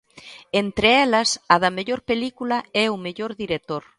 Entre elas, a da mellor película e o mellor director.